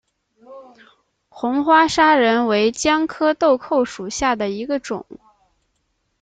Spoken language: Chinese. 红花砂仁为姜科豆蔻属下的一个种。